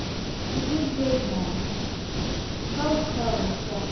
THE GOOD GREAT MAN. How seldom, Friend!